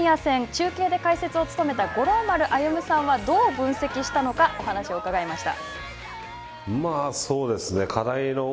中継で解説を務めた五郎丸歩さんはどう分析したのかお話を伺いました。